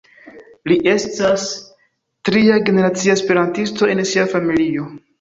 Li estas tria-generacia esperantisto en sia familio.